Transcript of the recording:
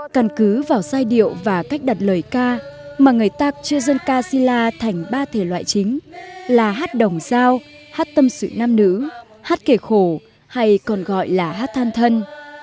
căn cứ vào giai điệu và cách đặt lời ca mà người tạc chia dân ca si la thành ba thể loại chính là hát đồng giao hát tâm sự nam nữ hát kể khổ hay còn gọi là hát than thân